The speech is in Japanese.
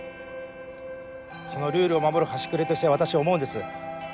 そのルールを守る端くれとして私思うんです。